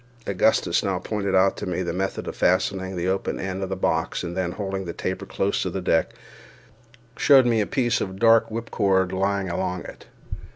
Augustus now pointed out to me the method of fastening the open end of the box, and then, holding the taper close to the deck, showed me a piece of dark whipcord lying along it.